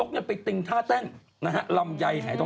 เพราะวันนี้หล่อนแต่งกันได้ยังเป็นสวย